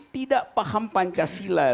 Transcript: tidak paham pancasila